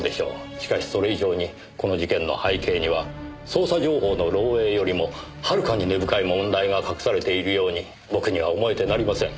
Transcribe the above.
しかしそれ以上にこの事件の背景には捜査情報の漏えいよりもはるかに根深い問題が隠されているように僕には思えてなりません。